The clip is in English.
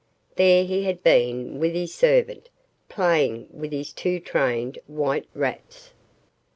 There he had been with his servant, playing with his two trained white rats.